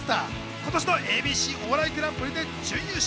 今年の『ＡＢＣお笑いグランプリ』で準優勝。